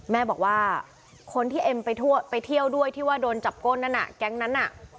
แม่บอกว่าคนที่เอ็มไปเที่ยวด้วยที่ว่าโดนจับก้นนั้นแก๊งนั้นน่ะ